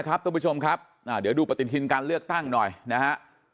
ครับทุกผู้ชมครับเดี๋ยวดูประติศิลป์การเลือกตั้งหน่อยนะฮะ